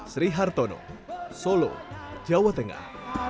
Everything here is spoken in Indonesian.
sri hartono solo jawa tengah